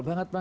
yang itu mah